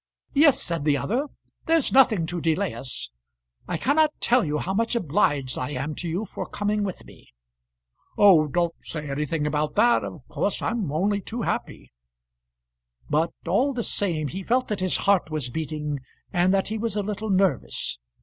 "Yes," said the other; "there's nothing to delay us. I cannot tell you how much obliged I am to you for coming with me." "Oh, don't say anything about that; of course I'm only too happy." But all the same he felt that his heart was beating, and that he was a little nervous.